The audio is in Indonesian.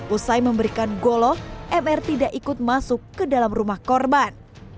usai memberikan golok mr tidak ikut masuk ke dalam rumah korban